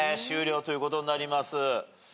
終了ということになります。